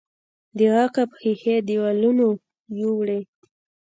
د عقب ښيښې دېوالونو يوړې.